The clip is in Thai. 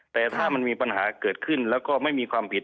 แต่ถ้ามันมีปัญหาเกิดขึ้นแล้วก็ไม่มีความผิด